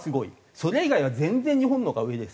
それ以外は全然日本のほうが上です。